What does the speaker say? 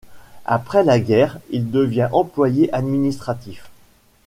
Après la guerre, il devient employé administratif.